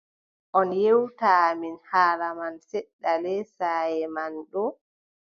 On ƴewta amin haala man seɗɗa lee saaye man ɗo ?